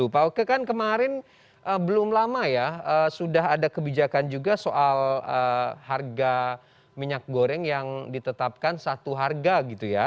pak oke kan kemarin belum lama ya sudah ada kebijakan juga soal harga minyak goreng yang ditetapkan satu harga gitu ya